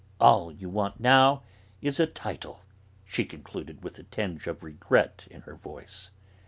All you want now is a title!" she concluded, with a tinge of regret in her voice.